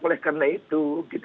oleh karena itu